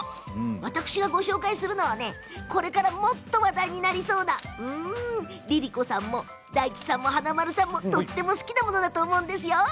私がご紹介するのはこれからもっと話題になりそうなＬｉＬｉＣｏさんも大吉さんも華丸さんもとても好きなものだと思うんですよ。